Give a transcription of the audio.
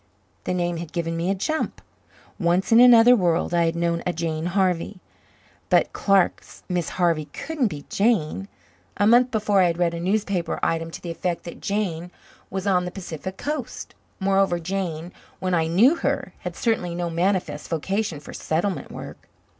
The name had given me a jump. Once, in another world, I had known a Jane Harvey. But Clark's Miss Harvey couldn't be Jane. A month before I had read a newspaper item to the effect that Jane was on the Pacific coast. Moreover, Jane, when I knew her, had certainly no manifest vocation for settlement work.